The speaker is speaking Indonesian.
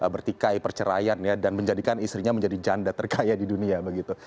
bertikai perceraian ya dan menjadikan istrinya menjadi janda terkaya di dunia begitu